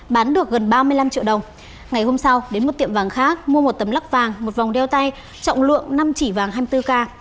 bán được gần ba mươi năm triệu đồng ngày hôm sau đến một tiệm vàng khác mua một tấm lắc vàng một vòng đeo tay trọng lượng năm chỉ vàng hai mươi bốn k